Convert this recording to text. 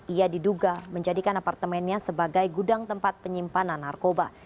ia diduga menjadikan apartemennya sebagai gudang tempat penyimpanan narkoba